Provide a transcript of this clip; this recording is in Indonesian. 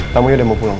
tamunya udah mau pulang